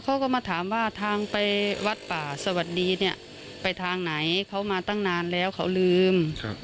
เขาก็มาถามว่าทางไปวัดป่าสวัสดีเนี่ยไปทางไหนเขามาตั้งนานแล้วเขาลืม